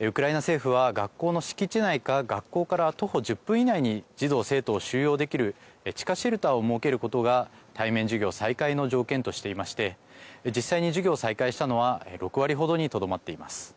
ウクライナ政府は学校の敷地内か学校から徒歩１０分以内に児童・生徒を収容できる地下シェルターを設けることが対面授業再開の条件としていまして実際に授業を再開したのは６割程にとどまっています。